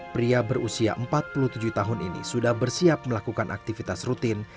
pria berusia empat puluh tujuh tahun ini sudah bersiap melakukan aktivitas rutin